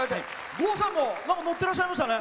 郷さんも乗ってらっしゃいましたね！